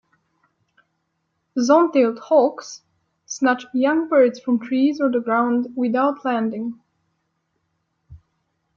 Zone-tailed hawks snatch young birds from trees or the ground without landing.